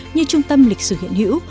như trung tâm lịch sử hiện hữu